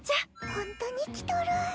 ホントに来とる。